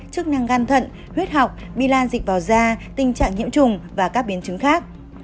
chức năng gan thận huyết học bilan dịch vào da tình trạng nhiễm trùng và các biến chứng khác